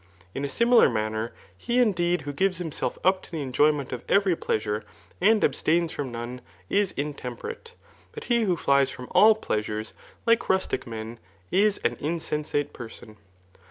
In a similar manner, he indeed who gives himself ap to the enjoyment (^ every pleasure, and abstains from njoae, is intemperate ; but he who flies from all pleasures,' like rustic men, is an insensate person.